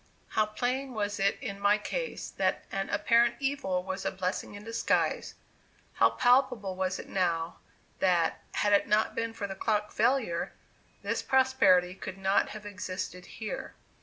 How plain was it in my case, that an "apparent evil" was a "blessing in disguise!" How palpable was it now, that, had it not been for the clock failure, this prosperity could not have existed here.